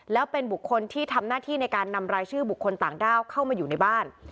แล้วเป็นบุคคลที่ทำหน้าที่ในการนำรายชื่อบุคคลต่างด้าวเข้ามาอยู่ในบ้าน